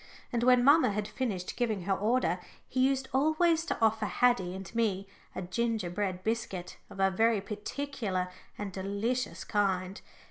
And when mamma had finished giving her order, he used always to offer Haddie and me a gingerbread biscuit of a very particular and delicious kind.